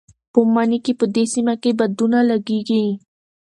په مني کې په دې سیمه کې بادونه لګېږي.